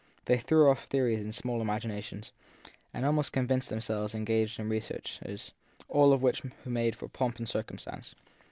They threw off theories and small imaginations, and almost conceived themselves engaged in researches; all of which made for pomp and circumstance.